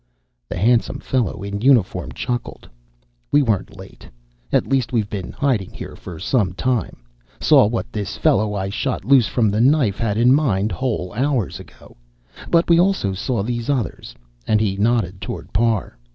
The handsome fellow in uniform chuckled. "We weren't late, at least. We've been hiding here for some time saw what this fellow I shot loose from the knife had in mind whole hours ago. But we also saw these others," and he nodded toward Parr.